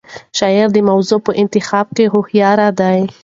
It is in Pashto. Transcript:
شاعر د موضوع په انتخاب کې هوښیار دی.